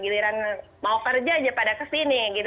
giliran mau kerja aja pada kesini gitu